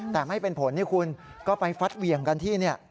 แต่ไม่เป็นผลนี่คุณก็ไปฟัดเหวี่ยงกันที่นี่